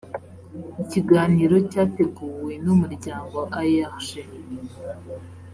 ikiganiro cyateguwe n’umuryango aerg